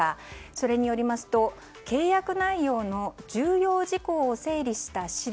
それによりますと、契約内容の重要事項を整理した資料